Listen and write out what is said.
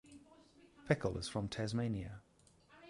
Pecl is from Tasmania.